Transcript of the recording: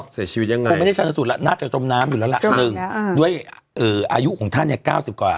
เสียชีวิตยังไงคงไม่ได้ชาญสูตรแล้วน่าจะจมน้ำอยู่แล้วล่ะ๑ด้วยอายุของท่านเนี่ย๙๐กว่า